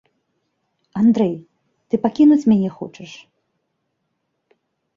Андрэй, ты пакінуць мяне хочаш?